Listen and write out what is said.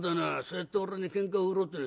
そうやって俺にけんかを売ろうって」。